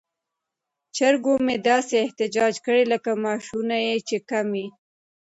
چرګو مې داسې احتجاج کړی لکه معاشونه یې چې کم وي.